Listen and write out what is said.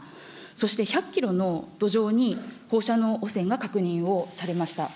そして１００キロの土壌に放射能汚染が確認をされました。